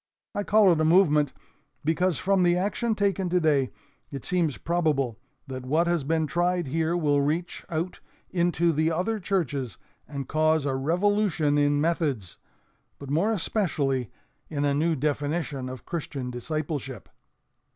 I call it a 'movement' because from the action taken today, it seems probable that what has been tried here will reach out into the other churches and cause a revolution in methods, but more especially in a new definition of Christian discipleship.